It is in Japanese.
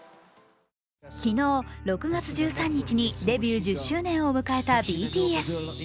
昨日、６月１３日にデビュー１０周年を迎えたＢＴＳ。